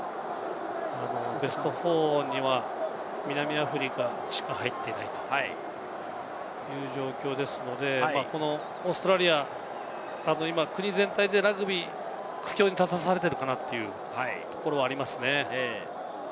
ベスト４には南アフリカしか入っていないという状況ですから、オーストラリアは今、国全体でラグビーが苦境に立たされているかなというところはありますね。